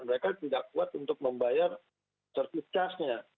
mereka tidak kuat untuk membayar sertif casnya